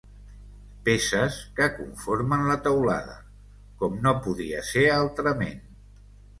Peces que conformen la teulada, com no podia ser altrament.